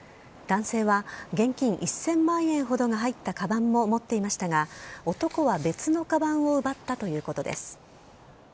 男性は現金１０００万円ほどが入ったかばんも持っていましたが、男は別のかばんを奪ったということです。